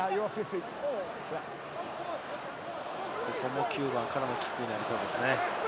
ここも９番からのキックになりそうですね。